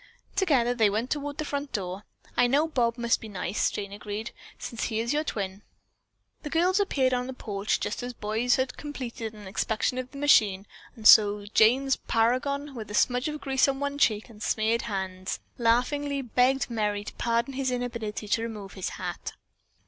Together they went toward the front door. "I know Bob must be nice," Jane agreed, "since he is your twin." The girls appeared on the porch just as the boys had completed an inspection of the machine and so Jane's "paragon," with a smudge of grease on one cheek and smeared hands, laughingly begged Merry to pardon his inability to remove his hat.